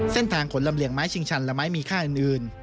เส้นทางขนลำเลียงไม้ชิงชันและไม้มีค่าอื่น